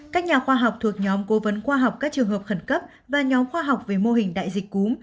các nhà khoa học thuộc nhóm cố vấn khoa học các trường hợp khẩn cấp và nhóm khoa học về mô hình đại dịch cúm